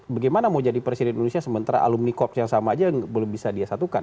bagaimana mau jadi presiden indonesia sementara alumni kops yang sama aja belum bisa dia satukan